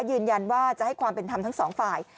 ยืนยันว่าจะให้ความเป็นธรรมทั้งสองฝ่าย